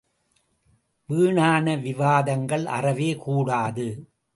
வீணான விவாதங்கள் அறவே கூடாது.